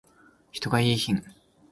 人がいーひん